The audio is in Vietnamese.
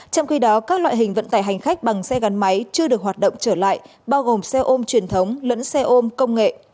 trong khi đó các loại hình vận tải hành khách bằng xe gắn máy chưa được hoạt động trở lại bao gồm xe ôm truyền thống lẫn xe ôm công nghệ